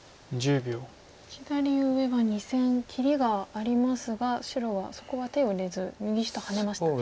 左上は２線切りがありますが白はそこは手を入れず右下ハネましたね。